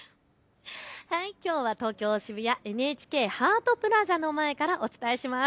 きょうは東京渋谷ＮＨＫハートプラザの前からお伝えします。